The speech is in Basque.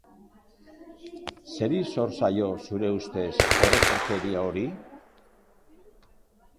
Zeri zor zaio, zure ustez, orokorkeria hori?